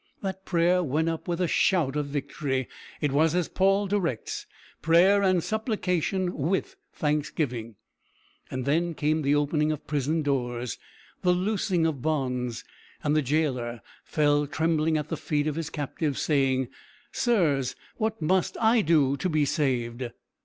That prayer went up with a shout of victory it was as Paul directs, prayer and supplication with thanksgiving. Then came the opening of prison doors, the loosing of bonds, and the jailer fell trembling at the feet of his captives, saying, "Sirs, what must I do to be saved?"